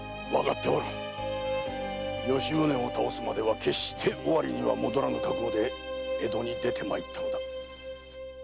吉宗を倒すまでは決して尾張には戻らぬ覚悟で江戸に出てまいったのだ。